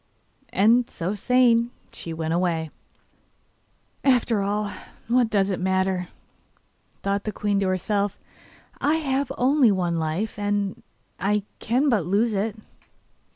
And, so saying, she went away. 'After all, what does it matter?' thought the queen to herself, 'I have only one life, and I can but lose it.